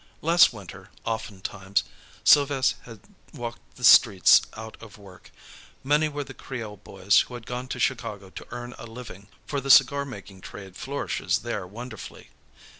Last winter oftentimes Sylves' had walked the streets out of work. Many were the Creole boys who had gone to Chicago to earn a living, for the cigar making trade flourishes there wonderfully.